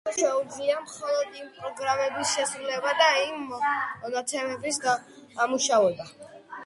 ანუ პროცესორს შეუძლია მხოლოდ იმ პროგრამების შესრულება და იმ მონაცემების დამუშავება.